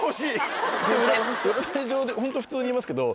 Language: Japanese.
ホント普通に言いますけど。